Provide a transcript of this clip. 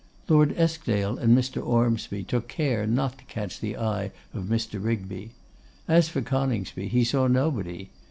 Lord Eskdale and Mr. Ormsby took care not to catch the eye of Mr. Rigby. As for Coningsby, he saw nobody.